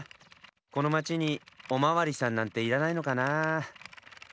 このまちにおまわりさんなんていらないのかなあ？